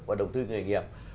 và đầu tư nghề nghiệp